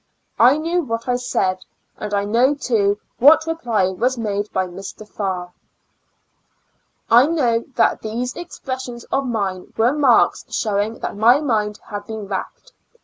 I knew what I said and I know too wh;:t reply was made by Mr. Farr. 24 T^^^o Years AND Four Months I know that these expressions of mine were marks showing that my mind had been racked.